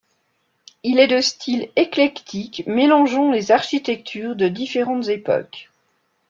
Il est de style éclectique, mélangeant les architectures de différentes époques.